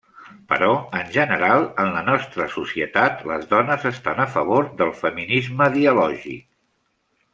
Però, en general, en la nostra societat, les dones estan a favor del feminisme dialògic.